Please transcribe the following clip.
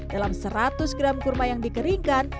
dalam seratus gram kurma yang dikeringkan